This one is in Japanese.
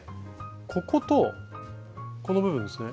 こことこの部分ですね。